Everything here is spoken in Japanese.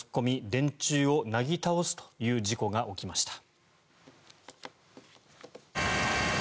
電柱をなぎ倒すという事故が起きました。